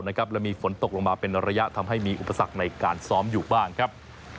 และมีฝนตกลงมาเป็นระยะทำให้มีอุปสรรคในการซ้อมอยู่บ้างครับ